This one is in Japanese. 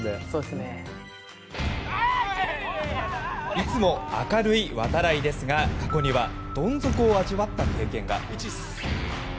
いつも明るい度会ですが過去にはどん底を味わった経験が。